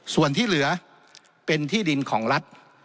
ส่วนที่เหลือเป็นที่ดินของรัฐ